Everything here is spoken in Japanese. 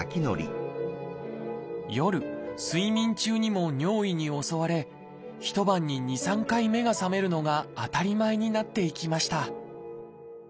夜睡眠中にも尿意に襲われ一晩に２３回目が覚めるのが当たり前になっていきました。